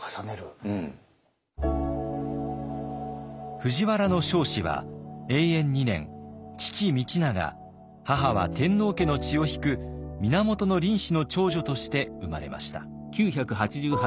藤原彰子は永延二年父道長母は天皇家の血を引く源倫子の長女として生まれました。